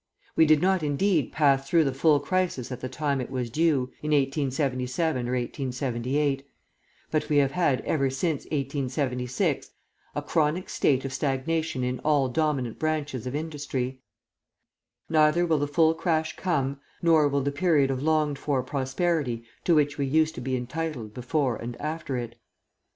We did not, indeed, pass through the full crisis at the time it was due, in 1877 or 1878; but we have had, ever since 1876, a chronic state of stagnation in all dominant branches of industry. Neither will the full crash come; nor will the period of longed for prosperity to which we used to be entitled before and after it.